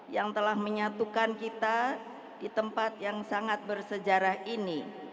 yang telah menyatukan kita di tempat yang sangat bersejarah ini